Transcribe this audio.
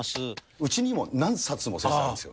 うちにも何冊もあるんですよ。